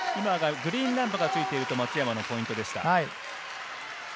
グリーンランプがついていると松山のポイントでした。